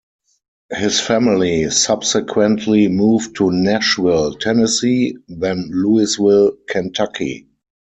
His family subsequently moved to Nashville, Tennessee, then Louisville, Kentucky.